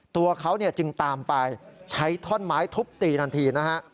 ตัวเขาจึงตามไปใช้ท่อนไม้ทุบตีทันทีนะฮะ